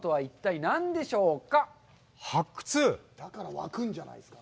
だから湧くんじゃないですか？